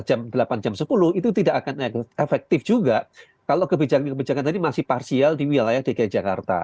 sehingga kalau nanti disebutkan umumnya hari ini pembahasannya adalah jam delapan jam sepuluh itu tidak akan efektif juga kalau kebijakan kebijakan tadi masih parsial di wilayah dki jakarta